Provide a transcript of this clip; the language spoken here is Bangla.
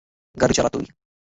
গাড়ি চালা তুই!